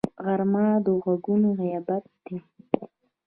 غرمه د غږونو غیابت دی